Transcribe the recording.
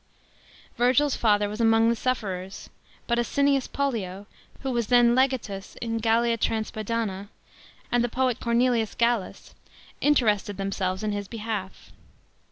Virgil's father was among the sufferers; but Asinius Pollio, who was then legatus in Gallia Transpada.ua, and the poet Cornelius G allus, interested themselves in his beh; df.